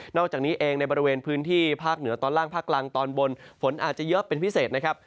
อกจากนี้เองในบริเวณพื้นที่ภาคเหนือตอนล่างภาคกลางตอนบนฝนอาจจะเยอะเป็นพิเศษนะครับ